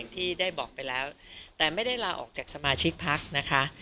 ที่ได้บอกไปแล้วแต่ไม่ได้ลาออกจากสมาชิกพักนะคะ